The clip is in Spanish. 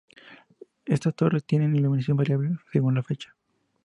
Éstas torres, tienen iluminación variable según la fecha.